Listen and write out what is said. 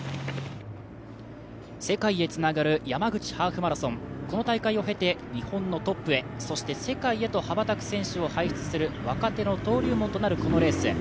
世界へつながる山口ハーフマラソン、この大会を経て日本のトップへ、そして世界へと羽ばたく選手を輩出する、若手の登竜門となるこのレース。